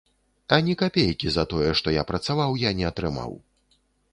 Ані капейкі за тое, што я працаваў, я не атрымаў.